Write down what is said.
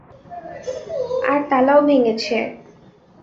আর তালাও ভেঙ্গেছে।